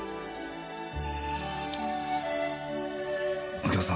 右京さん